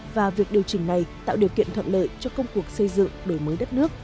và việc điều chỉnh này tạo điều kiện thuận lợi cho công cuộc xây dựng đổi mới đất nước